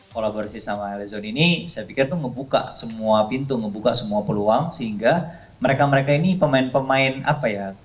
kolaborasi sama alezon ini saya pikir tuh ngebuka semua pintu membuka semua peluang sehingga mereka mereka ini pemain pemain apa ya